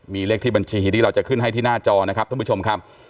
มีเลขที่บัญชีที่เราจะขึ้นให้ที่หน้าจอนะครับท่านผู้ชมครับ